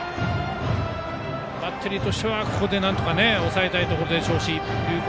バッテリーとしてはここでなんとか抑えたいところでしょうし龍谷